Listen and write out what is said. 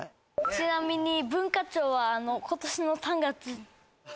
ちなみに文化庁は今年の３月。